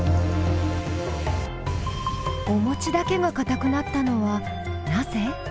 おもちだけがかたくなったのはなぜ？